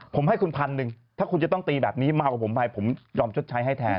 ผมให้คุณพันหนึ่งถ้าคุณจะต้องตีแบบนี้เมากับผมไปผมยอมชดใช้ให้แทน